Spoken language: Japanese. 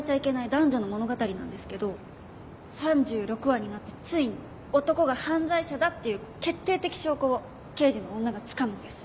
男女の物語なんですけど３６話になってついに男が犯罪者だっていう決定的証拠を刑事の女がつかむんです。